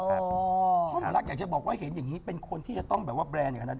อารักษ์อยากจะบอกว่าเห็นอย่างนี้เป็นคนที่จะต้องแบบว่าแบรนด์อย่างนั้น